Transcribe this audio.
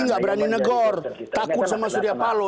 tidak berani negor takut sama suryapalo